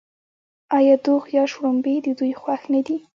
آیا دوغ یا شړومبې د دوی خوښ نه دي؟